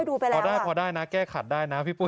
เออพอได้พอได้นะแก้ขัดได้นะพี่ปุ๊ย